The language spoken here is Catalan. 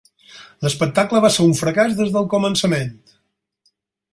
L'espectacle va ser un fracàs des del començament.